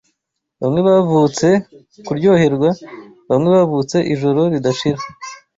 Bamwe Bavutse kuryoherwa, Bamwe bavutse Ijoro ridashira